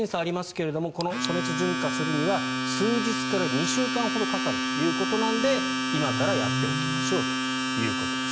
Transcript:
個人差がありますけれどこの暑熱順化するためには数日から２週間かかるということなので今からやっておきましょうということです。